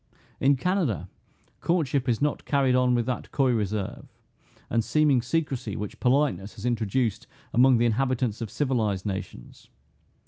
In Canada, courtship is not carried on with that coy reserve, and seeming secrecy, which politeness has introduced among the inhabitants of civilized nations.